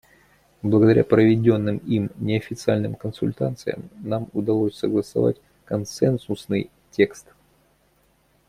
Благодаря проведенным им неофициальным консультациям нам удалось согласовать консенсусный текст.